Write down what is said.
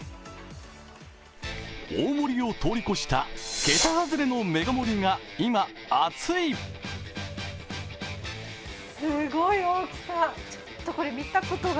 大盛りを通り越した、桁外れのメガ盛りが今、アツい！